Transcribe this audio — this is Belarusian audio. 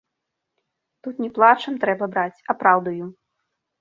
Тут не плачам трэба браць, а праўдаю.